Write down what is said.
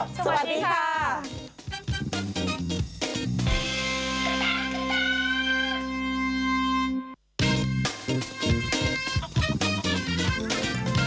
สวัสดีค่ะ